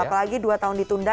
apalagi dua tahun ditunda